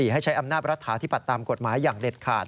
ให้ใช้อำนาจรัฐาธิบัติตามกฎหมายอย่างเด็ดขาด